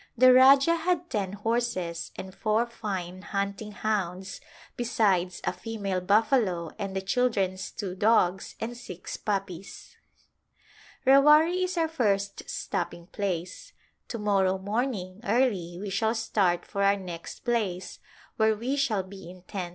The Rajah had ten horses and four fine hunting hounds, besides a female buffalo and the children's two dogs and six puppies. Rewari is our first stopping place ; to morrow morn ing early we shall start for our next place where we shall be in tents.